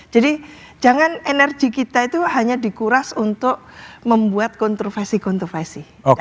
jadi jangan energi kita itu hanya dikuras untuk membuat kontroversi kontroversi